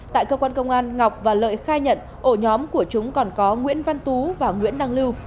tại cơ quan công an ngọc và lợi khai nhận ổ nhóm của chúng còn có nguyễn văn tú và nguyễn đăng lưu